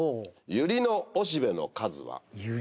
ユリのおしべの数？